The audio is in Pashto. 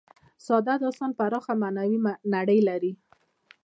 ساده داستان پراخه معنوي نړۍ لري.